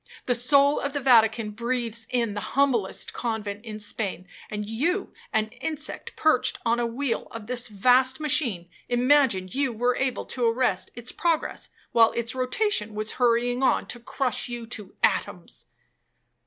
The soul of the Vatican breathes in the humblest convent in Spain,—and you, an insect perched on a wheel of this vast machine, imagined you were able to arrest its progress, while its rotation was hurrying on to crush you to atoms.'